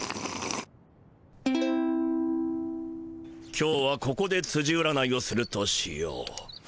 今日はここでつじ占いをするとしよう。